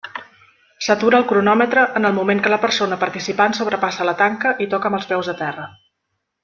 S'atura el cronòmetre en el moment que la persona participant sobrepassa la tanca i toca amb els peus a terra.